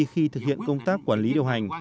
khi thực hiện công tác quản lý điều hành